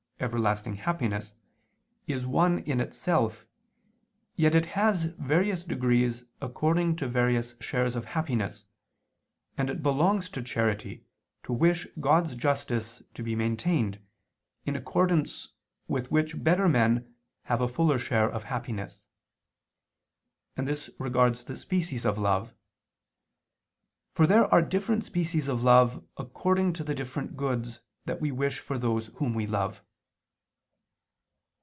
everlasting happiness, is one in itself, yet it has various degrees according to various shares of happiness, and it belongs to charity to wish God's justice to be maintained, in accordance with which better men have a fuller share of happiness. And this regards the species of love; for there are different species of love according to the different goods that we wish for those whom we love.